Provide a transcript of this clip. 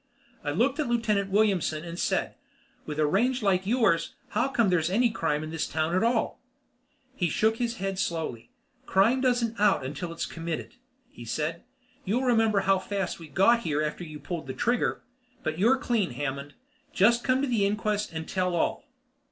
I looked at Lieutenant Williamson and said, "With a range like yours, how come there's any crime in this town at all?" He shook his head slowly. "Crime doesn't out until it's committed," he said. "You'll remember how fast we got here after you pulled the trigger. But you're clean, Hammond. Just come to the inquest and tell all."